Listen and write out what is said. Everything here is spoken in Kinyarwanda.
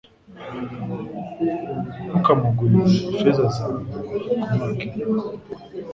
Ntukamuguririze ifeza zawe kumwaka inyungu